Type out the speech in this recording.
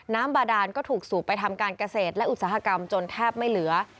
บาดานก็ถูกสูบไปทำการเกษตรและอุตสาหกรรมจนแทบไม่เหลือ